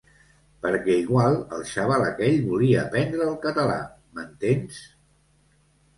Perquè igual el xaval aquell volia aprendre el català, m'entens?